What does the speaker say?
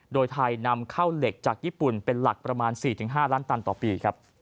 โดยไทยนำเข้าเหล็กจากญี่ปุ่นเป็นหลักประมาณ๔๕ล้านตันต่อปีครับ